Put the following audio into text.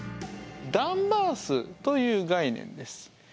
「ダンバー数」という概念です。